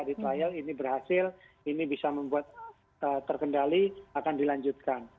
di trial ini berhasil ini bisa membuat terkendali akan dilanjutkan